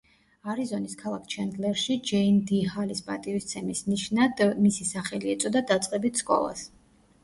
არიზონის ქალაქ ჩენდლერში ჯეინ დი ჰალის პატივისცემის ნიშნად მისი სახელი ეწოდა დაწყებით სკოლას.